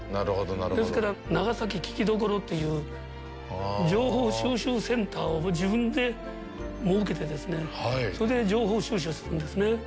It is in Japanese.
ですから、長崎ききどころという情報収集センターを自分で設けてですね、それで情報収集するんですね。